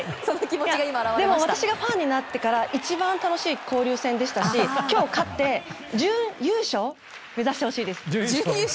私がファンになってから一番の楽しい交流戦でしたし、今日勝って準優勝を目指してほしいです。